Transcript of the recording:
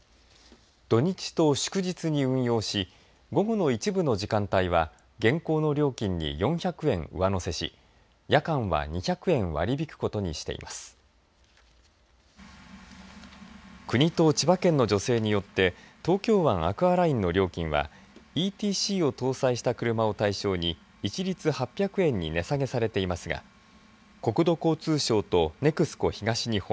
土日と祝日に運用し午後の一部の時間帯は現行の料金に４００円上乗せし夜間は２００円割り引くことにしています。国と千葉県の助成によって東京湾アクアラインの料金はＥＴＣを搭載した車を対象に一律８００円に値下げされていますが国土交通省とＮＥＸＣＯ東日本